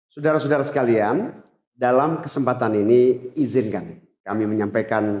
saudara saudara sekalian dalam kesempatan ini izinkan kami menyampaikan